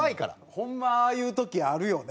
ホンマああいう時あるよね。